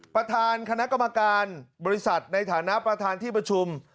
ประธานคณะกรรมการบริษัทในฐานะประธานที่ประชุม